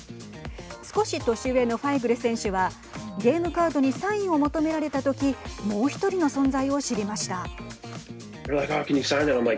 少し年上のファイグル選手はゲームカードにサインを求められた時もう１人の存在を知りました。